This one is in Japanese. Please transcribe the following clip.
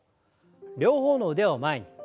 両方の腕を前に。